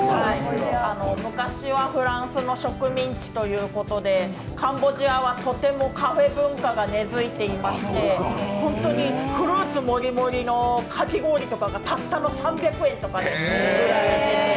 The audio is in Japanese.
昔はフランスの植民地ということで、カンボジアはとてもカフェ文化が根づいていまして、本当にフルーツもりもりのかき氷とかが、たったの３００円ぐらいで売られていて。